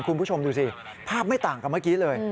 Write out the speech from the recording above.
คุณผู้ชมดูสิภาพไม่ต่างกับเมื่อกี้เลย